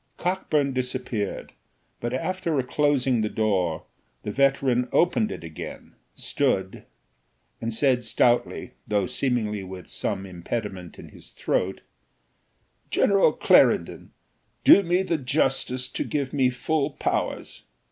Cockburn disappeared, but after closing the door the veteran opened it again, stood, and said stoutly, though seemingly with some impediment in his throat "General Clarendon, do me the justice to give me full powers."